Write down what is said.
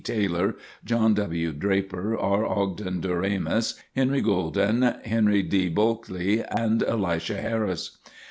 Taylor, John W. Draper, R. Ogden Doremus, Henry Goulden, Henry D. Bulkley, and Elisha Harris.